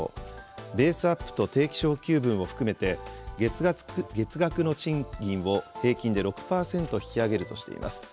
ベースアップと定期昇給分を含めて、月額の賃金を平均で６％引き上げるとしています。